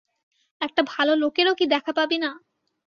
একটা ভালো লোকেরও কি দেখা পাবি না?